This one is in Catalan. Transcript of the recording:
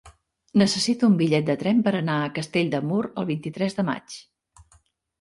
Necessito un bitllet de tren per anar a Castell de Mur el vint-i-tres de maig.